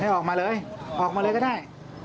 ออกมาเลยออกมาเลยก็ได้